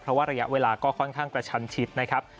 เพราะว่าระยะเวลาก็ค่อนข้างกระชันชิดนะครับ